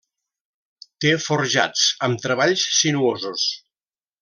Té forjats amb treballs sinuosos.